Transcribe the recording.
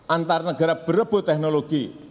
antar negara berebut teknologi